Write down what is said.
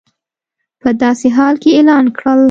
په داسې حال کې اعلان کړل